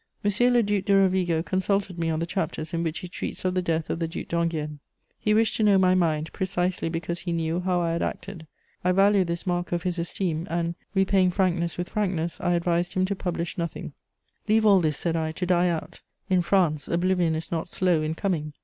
M. le Duc de Rovigo consulted me on the chapters in which he treats of the death of the Duc d'Enghien: he wished to know my mind, precisely because he knew how I had acted; I valued this mark of his esteem and, repaying frankness with frankness, I advised him to publish nothing: "Leave all this," said I, "to die out; in France, oblivion is not slow in coming.